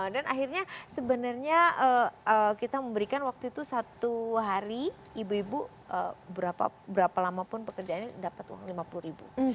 dan akhirnya sebenarnya kita memberikan waktu itu satu hari ibu ibu berapa lamapun pekerjaannya dapat uang lima puluh ribu